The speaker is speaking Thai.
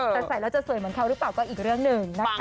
แต่ใส่แล้วจะสวยเหมือนเขาหรือเปล่าก็อีกเรื่องหนึ่งนะคะ